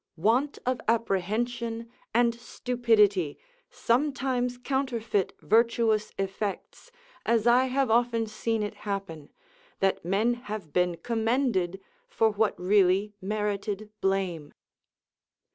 Want of apprehension and stupidity sometimes counterfeit virtuous effects as I have often seen it happen, that men have been commended for what really merited blame.